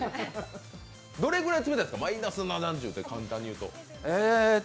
どれぐらい冷たいんですか、マイナス７０って簡単に言うと。